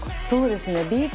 そうですね。